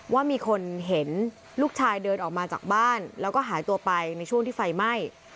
ว่ามีคนเห็นลูกชายเดินออกมาจากบ้านแล้วก็หายตัวไปในช่วงที่ไฟไหม้